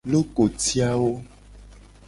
Lokoti awo.